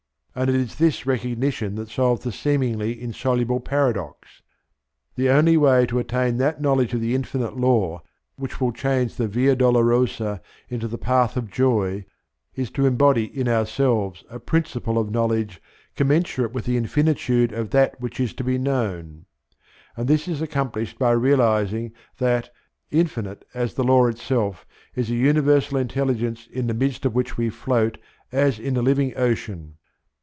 And it is this recognition that solves the seemingly insoluble paradox. The only way to attain that knowledge of the Infinite Law which will change the Via Dolorosa into the Path of Joy is to embody in ourselves a principle of knowledge commensurate with the infinitude of that which is to be known; and this is accomplished by realizing that, infinite as the law itself, is a universal Intelligence in the midst of which we float as in a living ocean.